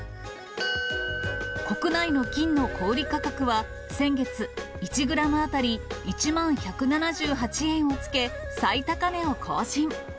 国内の金の小売り価格は先月、１グラム当たり１万１７８円をつけ、最高値を更新。